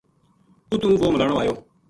اُتو وہ ملانو آیو